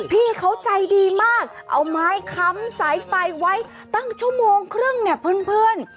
พี่เขาใจดีมากเอาไม้ค้ำสายไฟไว้ตั้งชั่วโมงครึ่งเนี่ยเพื่อน